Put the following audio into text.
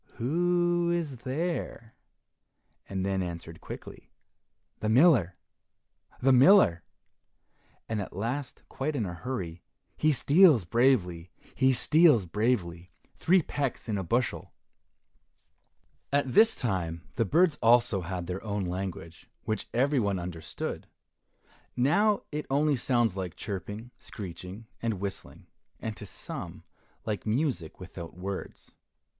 Who is there?" and then answered quickly, "The miller! the miller!" and at last quite in a hurry, "He steals bravely! he steals bravely! three pecks in a bushel." At this time the birds also had their own language which every one understood; now it only sounds like chirping, screeching, and whistling, and to some like music without words.